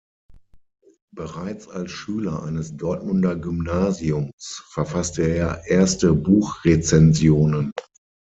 Bereits als Schüler eines Dortmunder Gymnasiums verfasste er erste Buchrezensionen.